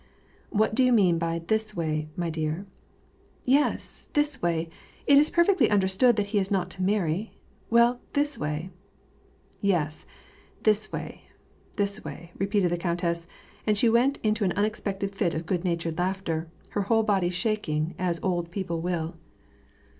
" What do you mean by this way, my dear ?"" Yes, this way. It is perfectly understood that he is not to marry — well, this way !"" Yes, this way, this way," repeated the countess ; and she went into an unexpected fit of good natured laughter, her whole body shaking, as old people will.